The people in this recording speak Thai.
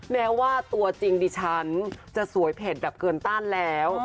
แม้ว่าตัวจริงดิฉันจะสวยเผ็ดแบบเกินต้านแล้ว